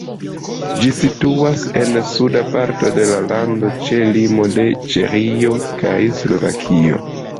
Ĝi situas en suda parto de la lando ĉe limoj de Ĉeĥio kaj Slovakio.